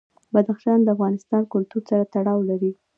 بدخشان د افغان کلتور سره تړاو لري.